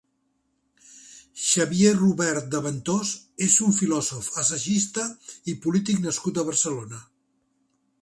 Xavier Rubert de Ventós és un filòsof, assagista i polític nascut a Barcelona.